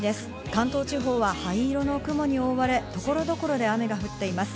関東地方は灰色の雲に覆われ、所々で雨が降っています。